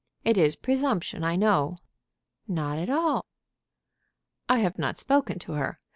"It is presumption, I know." "Not at all." "I have not spoken to her.